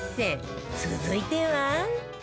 続いては